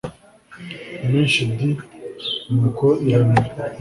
menshi d nuko iramera